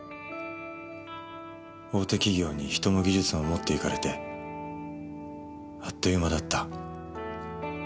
大手企業に人も技術も持っていかれてあっという間だった。